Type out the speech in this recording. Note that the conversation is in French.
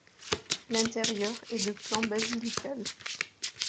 L'intérieur est de plan basilical.